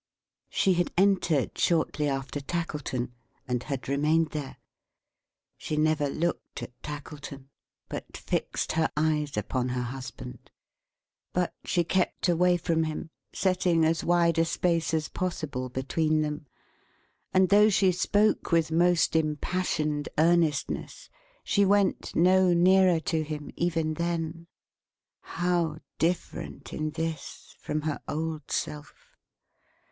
She had entered shortly after Tackleton; and had remained there. She never looked at Tackleton, but fixed her eyes upon her husband. But she kept away from him, setting as wide a space as possible between them; and though she spoke with most impassioned earnestness, she went no nearer to him even then. How different in this, from her old self!